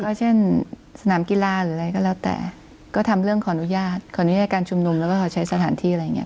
ก็เช่นสนามกีฬาหรืออะไรก็แล้วแต่ก็ทำเรื่องขออนุญาตขออนุญาตการชุมนุมแล้วก็ขอใช้สถานที่อะไรอย่างเงี้